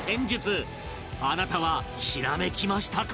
あなたはひらめきましたか？